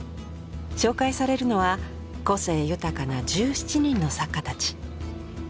紹介されるのは個性豊かな１７人の作家たち。